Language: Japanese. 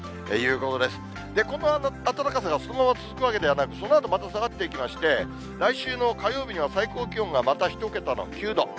この暖かさがそのまま続くわけではなく、そのあと、また下がっていきまして、来週の火曜日には、最高気温がまた１桁の９度。